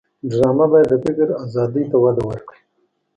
ډرامه باید د فکر آزادۍ ته وده ورکړي